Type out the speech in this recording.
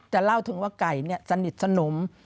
จะเล่าถึงว่าไก่เนี่ยสนิทสนม